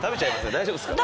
大丈夫ですか？